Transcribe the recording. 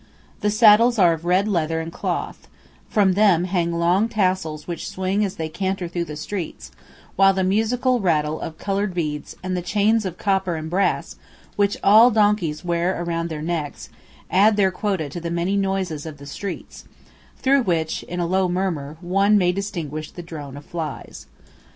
The saddles are of red leather and cloth, and from them hang long tassels which swing as they canter through the streets, while the musical rattle of coloured beads and the chains of copper and brass which all donkeys wear around their necks, add their quota to the many noises of the streets, through which in a low murmur one may distinguish the drone of flies.